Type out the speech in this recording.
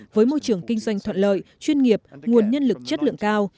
với môi trường kinh doanh thuận lợi chuyên nghiệp nguồn nhân lực chất lượng cao